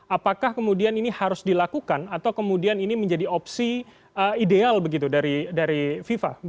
apakah kemudian ini harus dilakukan atau kemudian ini menjadi opsi ideal begitu dari fifa